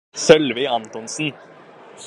Sølvi Antonsen